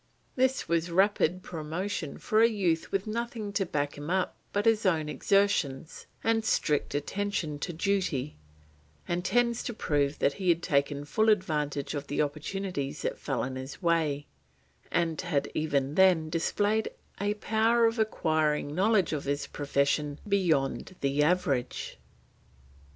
This was rapid promotion for a youth with nothing to back him up but his own exertions and strict attention to duty, and tends to prove that he had taken full advantage of the opportunities that fell in his way, and had even then displayed a power of acquiring knowledge of his profession beyond the average.